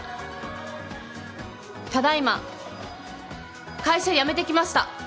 ただいま会社辞めてきました。